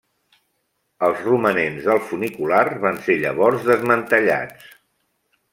Els romanents del funicular van ser llavors desmantellats.